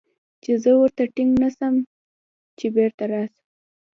چې زه ورته ټينګ نه سم چې بېرته راسه.